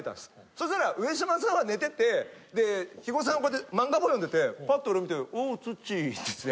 そしたら上島さんは寝ててで肥後さんはこうやって漫画本読んでてパッと俺見て「おおツッチー」って言って。